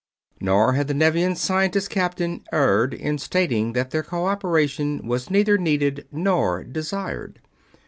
Nor had the Nevian scientist captain erred in stating that their cooperation was neither needed nor desired.